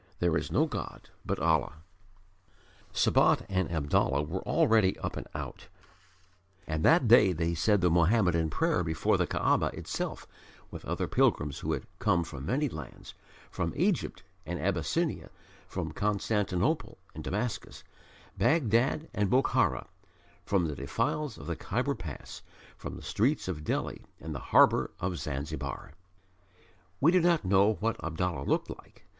There is no God but Allah." Sabat and Abdallah were already up and out, and that day they said the Mohammedan prayer before the Kaaba itself with other pilgrims who had come from many lands from Egypt and Abyssinia, from Constantinople and Damascus, Baghdad and Bokhara, from the defiles of the Khyber Pass, from the streets of Delhi and the harbour of Zanzibar. We do not know what Abdallah looked like.